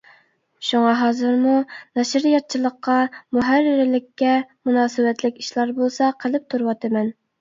شۇڭا ھازىرمۇ نەشرىياتچىلىققا، مۇھەررىرلىككە مۇناسىۋەتلىك ئىشلار بولسا قىلىپ تۇرۇۋاتىمەن.